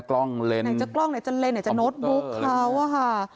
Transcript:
กล้องเล่นไหนจะกล้องไหนจะเลนไหนจะโน้ตบุ๊กเขาอะค่ะ